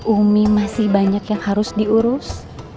umi masih banyak yang harus diurus